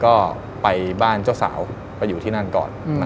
ก็ไปบ้านเจ้าสาวไปอยู่ที่นั่นก่อน